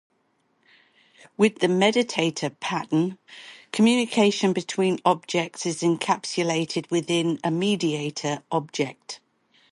With the mediator pattern, communication between objects is encapsulated within a mediator object.